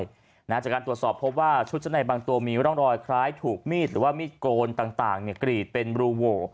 จากการตรวจสอบพบว่าชุดชั้นในบางตัวมีร่องรอยคล้ายถูกมีดหรือว่ามีดโกนต่างกรีดเป็นรูโหว